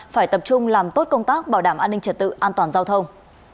phải tập trung làm tốt công tác bảo đảm an ninh trật tự an toàn giao thông